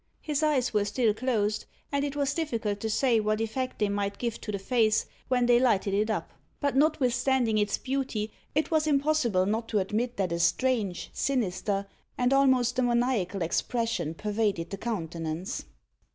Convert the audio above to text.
His eyes were still closed, and it was difficult to say what effect they might give to the face when they lighted it up; but notwithstanding its beauty, it was impossible not to admit that a strange, sinister, and almost demoniacal expression pervaded the countenance.